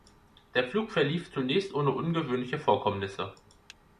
Der Flug verlief zunächst ohne ungewöhnliche Vorkommnisse.